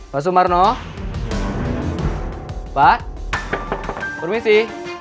basu marno pak permisi